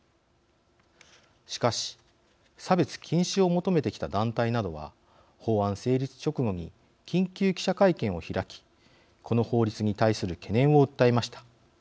しかし差別禁止を求めてきた団体などは法案成立直後に緊急記者会見を開きこの法律に対する懸念を訴えました。